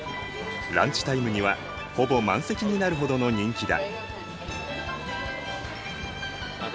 ランチタイムにはほぼ満席になるほどの人気だ。